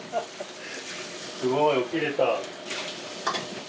すごい起きれた。